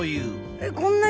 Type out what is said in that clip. えっこんなに？